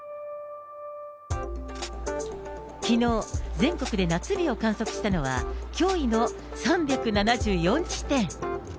きのう、全国で夏日を観測したのは驚異の３７４地点。